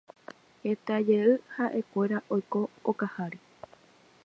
heta jey ha'ekuéra oiko okaháre